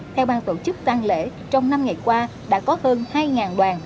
theo bang tổ chức tăng lễ trong năm ngày qua đã có hơn hai đoàn